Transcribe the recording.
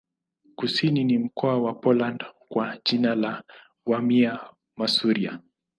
Kusini ni mkoa wa Poland kwa jina la Warmia-Masuria.